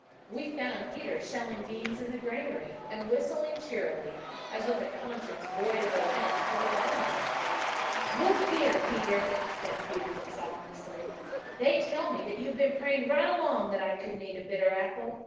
We found Peter shelling beans in the granary, and whistling cheerily, as with a conscience void of offence towards all men. "Look here, Peter," said Felix ominously, "they tell me that you've been praying right along that I couldn't eat a bitter apple.